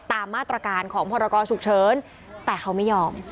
ตามมาตรการของพรกรฉุกเฉินแต่เขาไม่ยอม